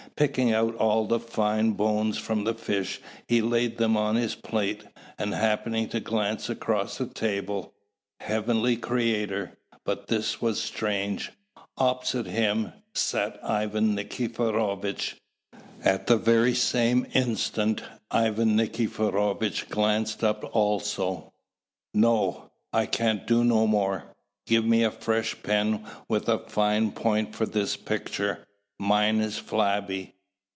Picking out all the fine bones from the fish, he laid them on his plate; and happening to glance across the table Heavenly Creator; but this was strange! Opposite him sat Ivan Nikiforovitch. At the very same instant Ivan Nikiforovitch glanced up also No, I can do no more Give me a fresh pen with a fine point for this picture! mine is flabby.